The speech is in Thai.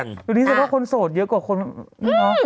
ดังนี้ใช่ว่าคนโสดเยอะกว่าน้อง